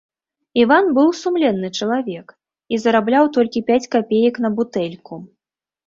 Іван быў сумленны чалавек і зарабляў толькі пяць капеек на бутэльку.